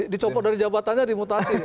dicopot dari jabatannya dimutasi